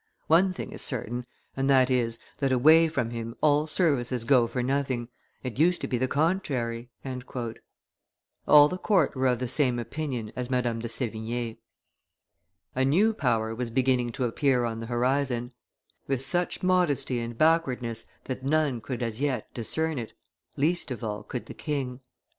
One thing is certain, and that is, that away from him all services go for nothing; it used to be the contrary." All the court were of the same opinion as Madame de Sevigne. A new power was beginning to appear on the horizon, with such modesty and backwardness that none could as yet discern it, least of all could the king.